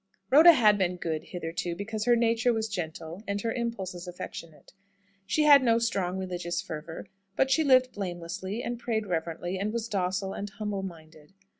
Rhoda had been "good" hitherto, because her nature was gentle, and her impulses affectionate. She had no strong religious fervour, but she lived blamelessly, and prayed reverently, and was docile and humble minded.